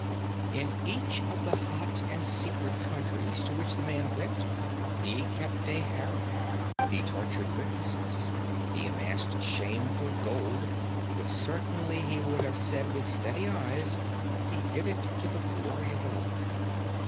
"In each of the hot and secret countries to which the man went he kept a harem, he tortured witnesses, he amassed shameful gold; but certainly he would have said with steady eyes that he did it to the glory of the Lord.